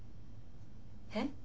えっ？